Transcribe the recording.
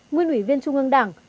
nguyên ủy viên trung ương đảng